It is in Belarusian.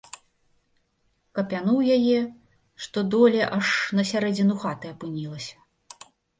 Капянуў яе, што доле аж на сярэдзіну хаты апынілася.